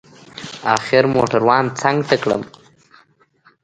اخر موټروان څنگ ته کړم.